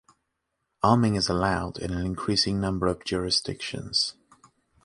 Arming is allowed in an increasing number of jurisdictions.